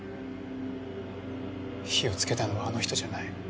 火をつけたのはあの人じゃない。